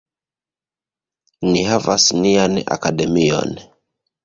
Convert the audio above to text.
Ni havas nian Akademion.